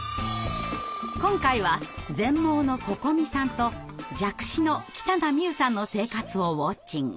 今回は全盲のここみさんと弱視の北名美雨さんの生活をウォッチング！